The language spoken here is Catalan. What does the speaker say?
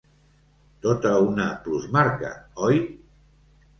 Tota una plusmarca, oi?